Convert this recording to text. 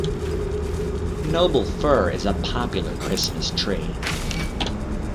Noble fir is a popular Christmas tree.